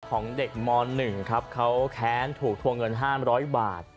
ของเด็กม๑ครับเขาแค้นถูกทวงเงิน๕๐๐บาท